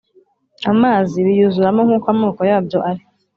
amazi biyuzuramo nk’uko amoko yabyo ari.